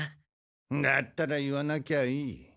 だったら言わなきゃいい。